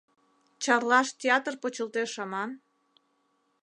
— Чарлаш театр почылтеш аман?